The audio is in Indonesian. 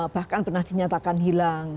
bahkan pernah dinyatakan hilang